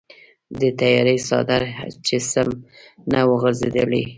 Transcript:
د تیارې څادر چې سم نه وغوړیدلی و.